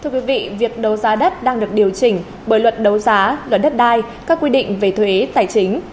thưa quý vị việc đấu giá đất đang được điều chỉnh bởi luật đấu giá luật đất đai các quy định về thuế tài chính